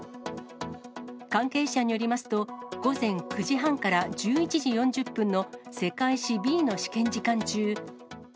関係者によりますと、午前９時半から１１時４０分の世界史Ｂの試験時間中。